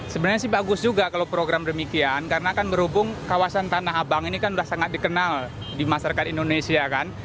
sebenarnya sih bagus juga kalau program demikian karena kan berhubung kawasan tanah abang ini kan sudah sangat dikenal di masyarakat indonesia kan